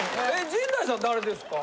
陣内さん誰ですか？